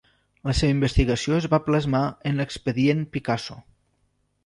La seva investigació es va plasmar en l'Expedient Picasso.